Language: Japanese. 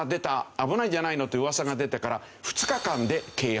「危ないんじゃないの？」という噂が出てから２日間で経営破たんした。